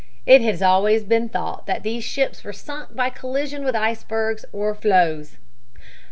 It has always been thought that these ships were sunk by collision with icebergs or floes.